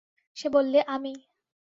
সে বললে, আমি।